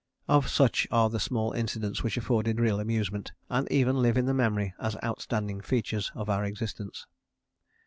Of such are the small incidents which afforded real amusement and even live in the memory as outstanding features of our existence.